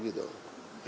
itu kan ngawur